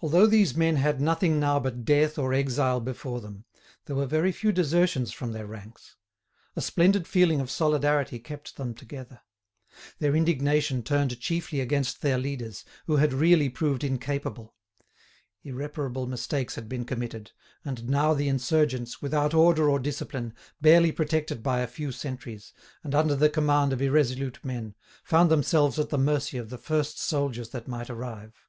Although these men had nothing now but death or exile before them, there were very few desertions from their ranks. A splendid feeling of solidarity kept them together. Their indignation turned chiefly against their leaders, who had really proved incapable. Irreparable mistakes had been committed; and now the insurgents, without order or discipline, barely protected by a few sentries, and under the command of irresolute men, found themselves at the mercy of the first soldiers that might arrive.